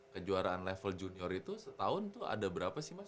kejuaraan level junior itu setahun itu ada berapa sih mas